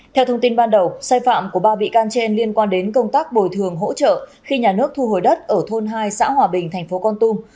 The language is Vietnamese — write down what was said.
theo thông tin ban đầu sai phạm của ba bị can trên liên quan đến công tác bồi thường hỗ trợ khi nhà nước thu hồi đất ở thôn hai xã hòa bình thành phố con tum